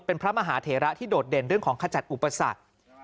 เป็นพระมหาเถระที่โดดเด่นเรื่องของขจัดอุปสรรค